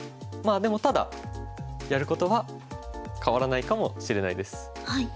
まあでもただやることは変わらないかもしれないです。